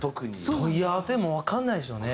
「問い合わせ」もわかんないでしょうね。